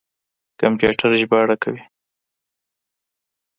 کمپيوټر ژباړه کوي.